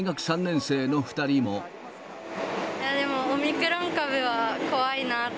でも、オミクロン株は怖いなと。